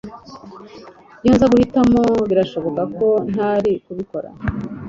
Iyo nza guhitamo birashoboka ko ntari kubikora